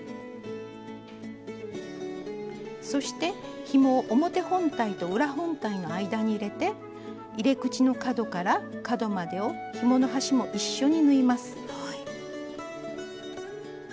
そしてひもを表本体と裏本体の間に入れて入れ口の角から角までをひもの端も一緒に縫います。